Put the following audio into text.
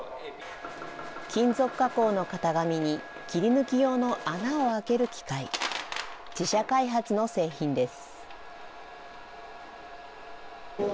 金属加工の型紙に切り抜き用の穴を開ける機械、自社開発の製品です。